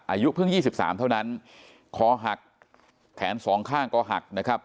อายุเพิ่ง๒๓เท่านั้นคอหักแขนสองข้างก็หักนะครับ